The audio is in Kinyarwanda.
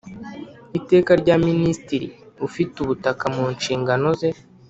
Iteka rya Minisitiri ufite ubutaka mu nshingano ze